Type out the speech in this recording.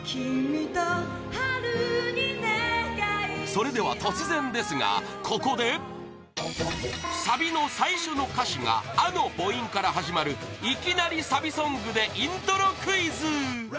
それでは突然ですが、ここでサビの最初の歌詞が「あ」の母音から始まるいきなりサビソングでイントロクイズ！